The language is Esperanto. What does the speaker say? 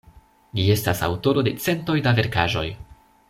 Li estas aŭtoro de centoj da verkaĵoj.